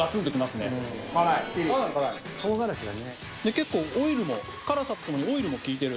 結構オイルも辛さとともにオイルも効いてる。